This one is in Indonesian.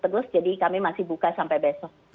terus jadi kami masih buka sampai besok